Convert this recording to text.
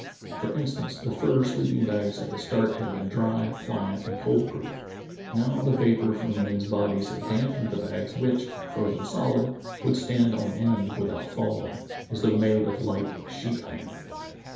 For instance, the fur sleeping bags at the start had been dry, pliant, and cold proof. Now the vapor from the men's bodies had dampened the bags which, frozen solid, would stand on end without falling, as though made of light sheet iron.